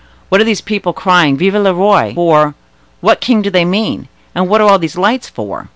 What are these people crying 'Vive le Roi!' for? What king do they mean? and what are all these lights for?"